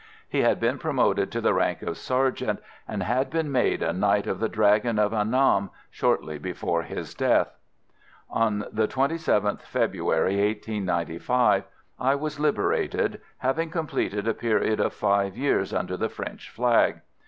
He had been promoted to the rank of sergeant, and had been made a Knight of the Dragon of Annam shortly before his death. On the 27th February, 1895, I was liberated, having completed a period of five years under the French flag.